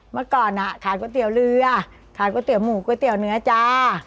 เมื่อก่อนขายก๋วยเตี๋ยวเรือขายก๋วยเตี๋หมูก๋วยเตี๋ยเนื้อจ้า